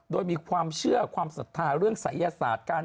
โดยมีความเชื่อความศรัทธาเรื่องศัยศาสตร์